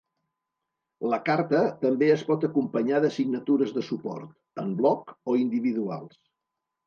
La carta també es pot acompanyar de signatures de suport, en bloc o individuals.